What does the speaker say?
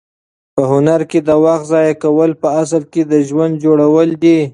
په هنر کې د وخت ضایع کول په اصل کې د ژوند جوړول دي.